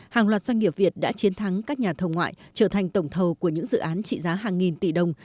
hàng loạt doanh nghiệp việt đã chiến thắng các nhà thầu ngoại trở thành tổng thầu của những dự án trị giá hàng nghìn tỷ đồng